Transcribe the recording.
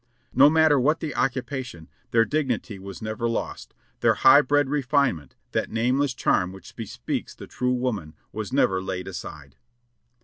No matter what the occupation, their dignity was never lost; their high bred refinement, that name less charm which bespeaks the true woman, was never laid aside.